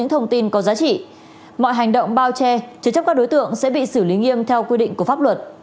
nếu có thông tin có giá trị mọi hành động bao che chứ chấp các đối tượng sẽ bị xử lý nghiêm theo quy định của pháp luật